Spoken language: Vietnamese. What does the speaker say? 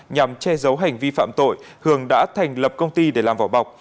nhằm che giấu hành vi phạm tội hường đã thành lập công ty để làm vỏ bọc